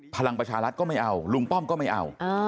พลังประชารัฐก็ไม่เอาลุงป้อมก็ไม่เอา